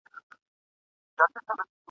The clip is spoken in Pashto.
یک تنها د ګلو غېږ کي له خپل خیال سره زنګېږم !.